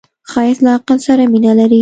ښایست له عقل سره مینه لري